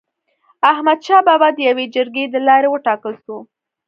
احمد شاه بابا د يوي جرګي د لاري و ټاکل سو.